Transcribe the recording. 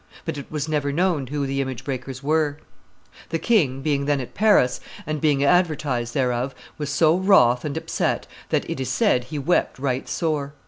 But it was never known who the image breakers were. [Illustration: Heretic Iconoclasts 201] The king, being then at Paris, and being advertised thereof, was so wroth and upset that, it is said, he wept right sore.